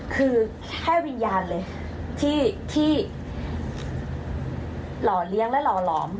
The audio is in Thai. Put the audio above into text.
คือแค่วิญญาณเลยที่หล่อเลี้ยงและหล่อหลอม